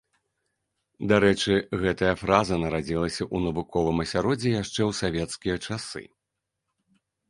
Дарэчы, гэтая фраза нарадзілася ў навуковым асяроддзі яшчэ ў савецкія часы.